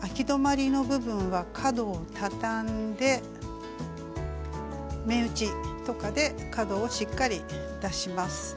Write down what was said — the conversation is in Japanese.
あき止まりの部分は角をたたんで目打ちとかで角をしっかり出します。